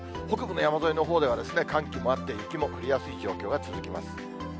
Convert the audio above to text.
北部の山沿いのほうでは、寒気もあって、雪も降りやすい状況が続きます。